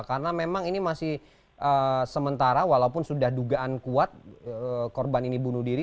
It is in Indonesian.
karena memang ini masih sementara walaupun sudah dugaan kuat korban ini bunuh diri